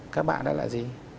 các bạn đó là gì